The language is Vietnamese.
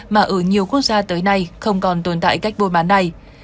mà ở nhiều quốc gia tới nay không còn tồn tại cách bôi bán này